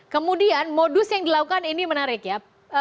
kemudian modus yang dilakukan ini menarik ya